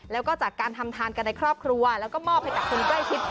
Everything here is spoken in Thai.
แล้วก็จากการทำทานกันในครอบครัวแล้วก็มอบให้กับคนใกล้ชิด